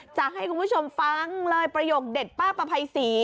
จะให้คุณผู้ชมฟังเลยประโยคเด็ดป้าประภัยศรี